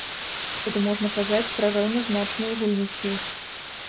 Тады можна казаць пра раўназначную гульню сіл.